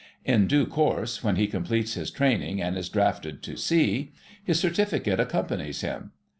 In due course, when he completes his training and is drafted to sea, his Certificate accompanies him.